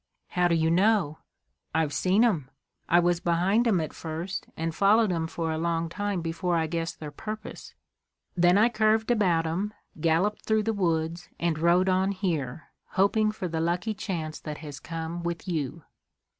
"How do you know?" "I've seen 'em. I was behind 'em at first and followed 'em for a long time before I guessed their purpose. Then I curved about 'em, galloped through the woods, and rode on here, hoping for the lucky chance that has come with you."